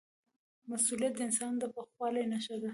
مسؤلیت د انسان د پوخوالي نښه ده.